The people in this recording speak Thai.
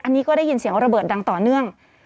อันนี้ก็ได้ยินเสียงระเบิดดังต่อเนื่อง